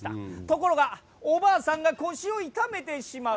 ところがおばあさんが腰を痛めてしまう。